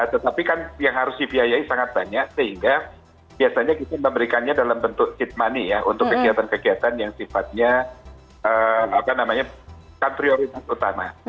tetapi kan yang harus dibiayai sangat banyak sehingga biasanya kita memberikannya dalam bentuk seat money ya untuk kegiatan kegiatan yang sifatnya kan prioritas utama